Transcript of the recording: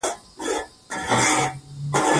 د ازمېت خلیج سپین رنګي دیوالونه یې ستایلي.